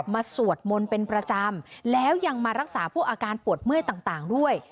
สวดมนต์เป็นประจำแล้วยังมารักษาพวกอาการปวดเมื่อยต่างด้วย